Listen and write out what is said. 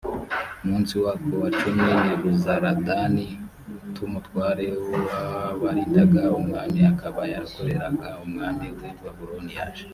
munsi wako wa cumi nebuzaradani t umutware w abarindaga umwami akaba yarakoreraga umwami w i babuloni yaje